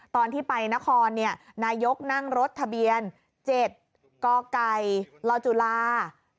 ตอนที่ไปนครนายกนั่งรถทะเบียน๗กไก่ลจุฬา